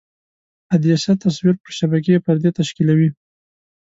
عدسیه تصویر پر شبکیې پردې تشکیولوي.